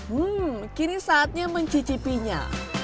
hmm kini saatnya mencicipinya